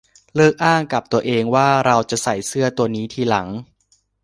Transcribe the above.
เลิกอ้างกับตัวเองว่าเราจะใส่เสื้อตัวนี้ทีหลัง